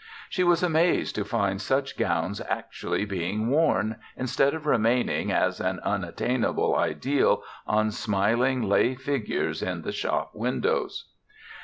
She was amazed to find such gowns actually being worn instead of remaining as an unattainable ideal on smiling lay figures in the shop windows.